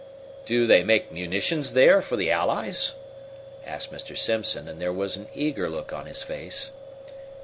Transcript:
"Do they make munitions there for the Allies?" asked Mr. Simpson, and there was an eager look on his face.